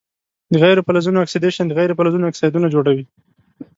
د غیر فلزونو اکسیدیشن د غیر فلزونو اکسایدونه جوړوي.